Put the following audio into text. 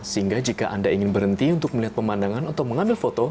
sehingga jika anda ingin berhenti untuk melihat pemandangan atau mengambil foto